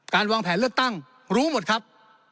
วางแผนเลือกตั้งรู้หมดครับ